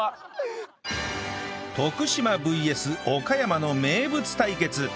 徳島 ＶＳ 岡山の名物対決